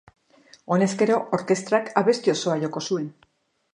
Honezkero, orkestrak abesti osoa joko zuen.